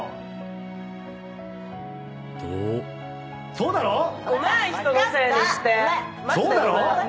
そうだろ？お！